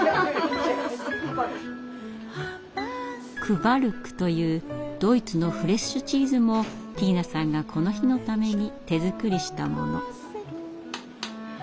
「クヴァルク」というドイツのフレッシュチーズもティーナさんがこの日のために手作りしたもの。